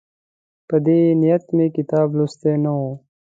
په دې نیت مې کتاب لوستی نه وو.